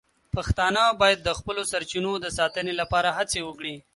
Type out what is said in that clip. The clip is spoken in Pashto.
پښتانه باید د خپلو سرچینو د ساتنې لپاره هڅې وکړي.